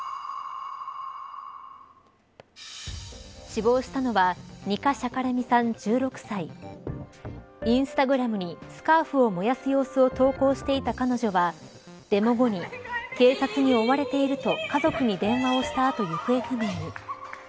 死亡したのはニカ・シャカラミさん、１６歳インスタグラムにスカーフを燃やす様子を投稿していた彼女はデモ後に、警察に追われていると家族に電話をした後行方不明に。